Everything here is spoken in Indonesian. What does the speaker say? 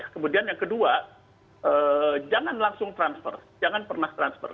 kemudian yang kedua jangan langsung transfer jangan pernah transfer